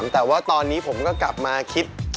แต่ว่าตอนนี้ผมก็กลับมาคิด